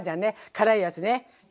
辛いやつね。